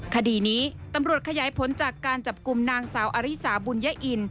คดีนี้ตำรวจขยายผลจากการจับกลุ่มนางสาวอาริสาบุญยะอิน